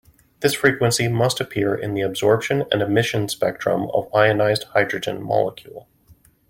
This frequency must appear in the absorption and emission spectrum of ionized hydrogen molecule.